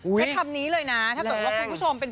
อุ้ยเอาอย่างนี้เลยน่ะถ้าโดยว่าคุณผู้ชมแลก